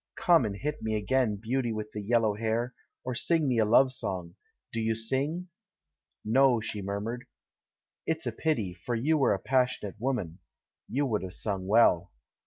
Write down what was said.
Come and hit me again, beauty with the yellow hair — or sing me a love song. Do you sing?" "No," she murmured. "It's a pity, for you are a passionate woman — you would have sung well.